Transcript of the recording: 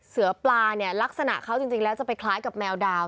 เสือปลาเนี่ยลักษณะเขาจริงแล้วจะไปคล้ายกับแมวดาว